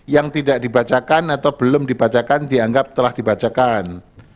yang tidak dibacakan atau belum dibacakan dianggap telah dibacakan